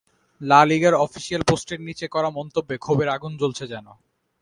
লা লিগার অফিশিয়াল পোস্টের নিচে করা মন্তব্যে ক্ষোভের আগুন জ্বলছে যেন।